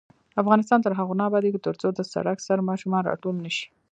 افغانستان تر هغو نه ابادیږي، ترڅو د سړک سر ماشومان راټول نشي.